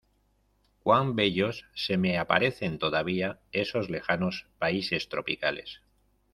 ¡ cuán bellos se me aparecen todavía esos lejanos países tropicales!